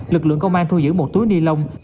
lực lượng công an thu giữ một túi ni lông